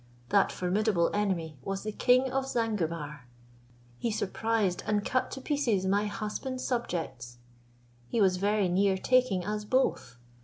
That formidable enemy was the king of Zanguebar. He surprised and cut to pieces my husband's subjects. He was very near taking us both.